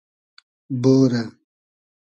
بورۂ